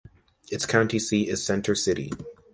Its county seat is Center City.